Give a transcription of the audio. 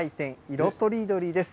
色とりどりです。